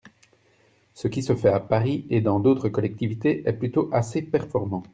Ce qui se fait à Paris et dans d’autres collectivités est plutôt assez performant.